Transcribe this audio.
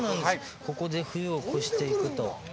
ここで冬を越していくと。